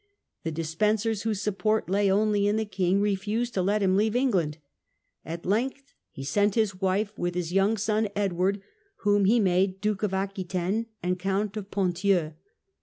The Despensers, whose support lay only in the king, refused to let him leave England. At length he sent his wife with his young son Edward, whom he made Duke of Aquitaine and Count of Ponthieu.